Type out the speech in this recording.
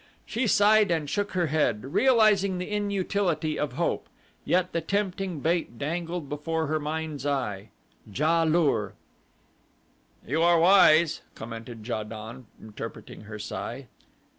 She sighed and shook her head, realizing the inutility of Hope yet the tempting bait dangled before her mind's eye Ja lur! "You are wise," commented Ja don interpreting her sigh.